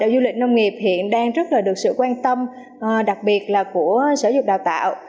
du lịch nông nghiệp hiện đang rất là được sự quan tâm đặc biệt là của sở dục đào tạo